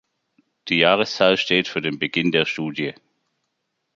Die Jahreszahl steht für den Beginn der Studie.